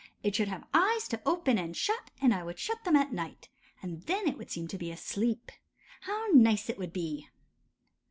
It should have eyes to open and shut, and I should shut them at night, and then it would seem to be asleep. How nice it would be!